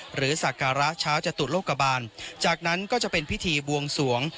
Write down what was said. สักการะเช้าจตุโลกบาลจากนั้นก็จะเป็นพิธีบวงสวง